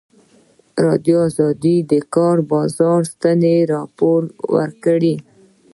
ازادي راډیو د د کار بازار ستونزې راپور کړي.